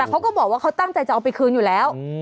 เขาก็บอกว่าเขาตั้งใจจะเอาไปคืนอยู่แล้ว